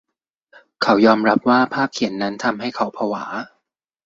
เขายอมรับว่าภาพเขียนนั้นทำให้เขาผวา